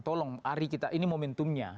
tolong ari kita ini momentumnya